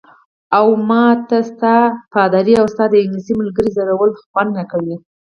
اوه، ما ته ستا، پادري او ستا د انګلیسۍ ملګرې ځورول خوند راکوي.